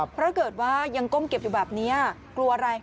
ถ้าเกิดว่ายังก้มเก็บอยู่แบบนี้กลัวอะไร